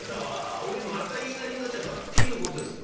俺また言いなりになっちゃった」っていうことです。